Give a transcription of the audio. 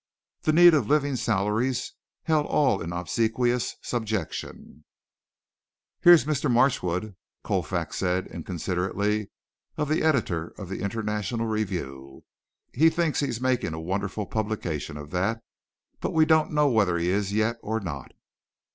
The need of living salaries held all in obsequious subjection. "Here's Mr. Marchwood," Colfax said inconsiderately of the editor of the International Review. "He thinks he's making a wonderful publication of that, but we don't know whether he is yet or not."